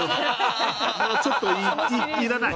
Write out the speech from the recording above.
もうちょっといいいらない。